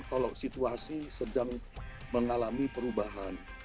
kalau situasi sedang mengalami perubahan